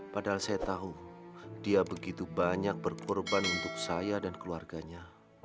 padahal saya tahu dia begitu banyak berkorban untuk saya dan keluarganya